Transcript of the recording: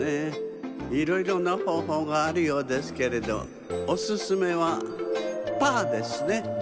いろいろなほうほうがあるようですけれどおすすめはパーですね。